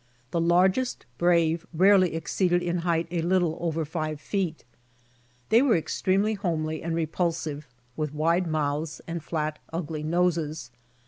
The largest brave rarely exceeded in height a little over five feet. They were extremely homely and repulsive, with wide mouths and flat ugly noses.